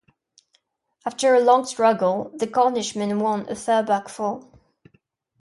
After a long struggle, the Cornishman won a fair back fall.